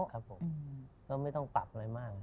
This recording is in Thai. ครับผมก็ไม่ต้องปรับอะไรมาก